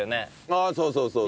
ああそうそうそうそう。